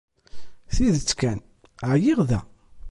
Tidet kan, εyiɣ da.